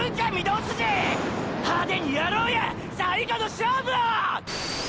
派手に闘ろうや最後の勝負を！！